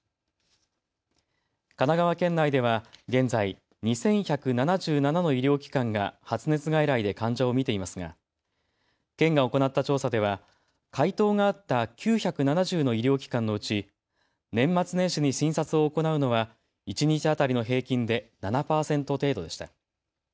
神奈川県内では現在、２１７７の医療機関が発熱外来で患者を診ていますが県が行った調査では回答があった９７０の医療機関のうち、年末年始に診察を行うのは一日当たりの平均で７％程度でした。